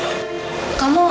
kita sekelas juga ya